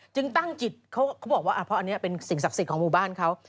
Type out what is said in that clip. ตั้งจิตเขาบอกว่าเพราะอันนี้เป็นสิ่งศักดิ์สิทธิ์ของหมู่บ้านเขา